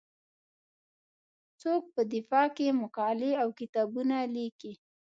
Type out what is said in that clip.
څوک په دفاع کې مقالې او کتابونه لیکي.